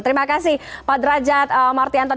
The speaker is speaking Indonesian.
terima kasih pak derajat martianto